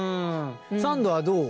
サンドはどう？